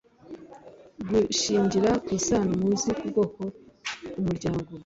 gushingira ku isano muzi ku bwoko ku muryango